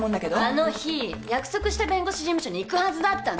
あの日約束した弁護士事務所に行くはずだったの。